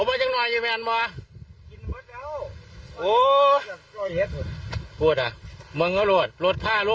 ไม่จะเจ็บนี่หรือครับ